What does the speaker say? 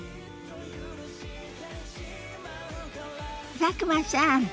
佐久間さん